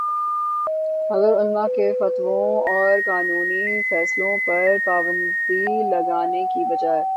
اگر علما کے فتووں اور قانونی فیصلوں پر پابندی لگانے کے بجائے